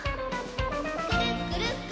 「くるっくるくるっくる」